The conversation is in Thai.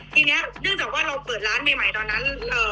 ทีนี้เนื่องจากว่าเราเปิดร้านใหม่ตอนนั้น